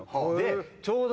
ちょうど。